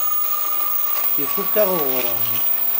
Ifukk-aɣ uɣrum.